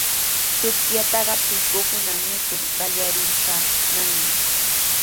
Chuqllataqa pishqukuna mikur qallariykannami.